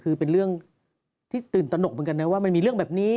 คือเป็นเรื่องที่ตื่นตนกเหมือนกันนะว่ามันมีเรื่องแบบนี้